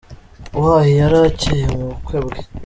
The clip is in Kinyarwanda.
Y yari acyeye mu bukwe bwe.